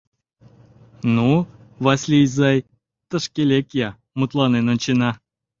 — Ну, Васлий изай, тышке лек-я, мутланен ончена.